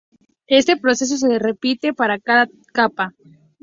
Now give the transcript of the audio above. Este proceso se repite para cada capa.